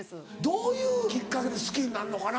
どういうきっかけで好きになんのかな？